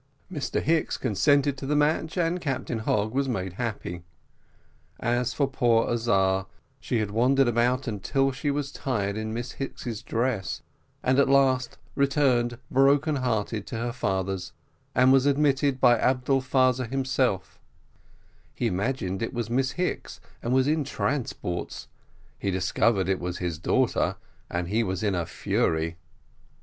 Mr Hicks consented to the match, and Captain Hogg was made happy. As for poor Azar, she had wandered about until she was tired in Miss Hicks's dress, and at last returned broken hearted to her father's, and was admitted by Abdel Faza himself; he imagined it was Miss Hicks, and was in transports he discovered it was his daughter, and he was in a fury.